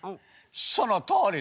そのとおりって。